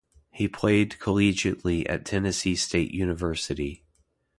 He played collegiately at Tennessee State University.